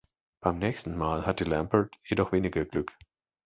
Beim nächsten Mal hatte Lampert jedoch weniger Glück.